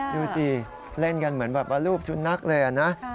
ดูสิเล่นกันเหมือนแบบว่ารูปสุนัขเลยนะ